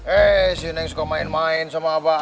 eh si neng suka main main sama pak